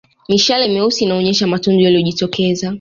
Mishale meusi inaonyesha matundu yaliyojitokeza